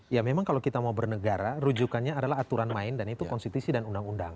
ya memang kalau kita mau bernegara rujukannya adalah aturan main dan itu konstitusi dan undang undang